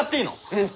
うん。